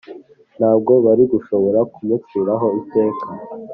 Ntabwo bari gushobora kumuciraho iteka.